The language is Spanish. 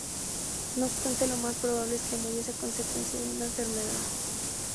No obstante, lo más probable es que muriese a consecuencia de una enfermedad.